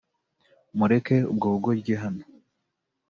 Mureke ubwo bugoryi hano